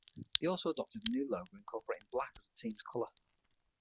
They also adopted a new logo incorporating black as the team's colour.